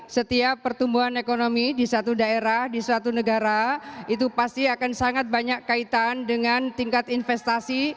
setiap pertumbuhan ekonomi di satu daerah di suatu negara itu pasti akan sangat banyak kaitan dengan tingkat investasi